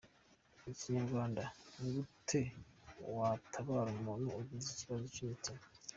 Inyarwanda: Ni gute watabara umuntu ugize ikibazo cy’umutima?.